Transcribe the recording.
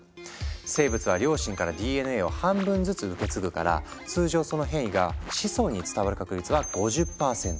生物は両親からＤＮＡを半分ずつ受け継ぐから通常その変異が子孫に伝わる確率は５０％。